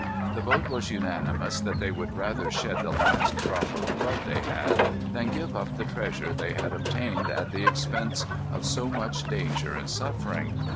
The vote was unanimous that they would rather shed the last drop of blood they had, than give up the treasure they had obtained at the expense of so much danger and suffering.